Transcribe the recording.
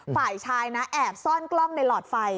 ฝ่ายชายนะแอบซ่อนกล้องในหลอดไฟ